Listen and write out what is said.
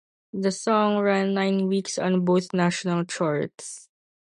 The song ran nine weeks on both national charts.